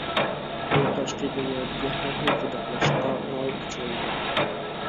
ئۇ تاشقى دۇنيادىكى ھەر خىل غىدىقلاشقا ئوڭاي ئۇچرايدۇ.